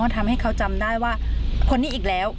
ทำให้เขาจำได้ว่าคนนี้อีกแล้ว